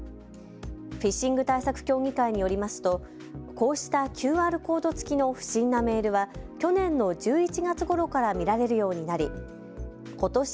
フィッシング対策協議会によりますと、こうしたＱＲコード付きの不審なメールは去年の１１月ごろから見られるようになりことし